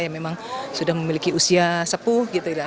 yang memang sudah memiliki usia sepuh